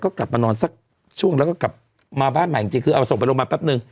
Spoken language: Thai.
ก็กลับมานอนสักช่วงแล้วก็กลับมาบ้านใหม่จริงคือเอาส่งไปโรงพยาบาลแป๊บนึง